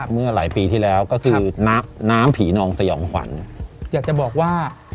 เมื่อหลายปีที่แล้วก็คือน้ำน้ำผีนองสยองขวัญอยากจะบอกว่า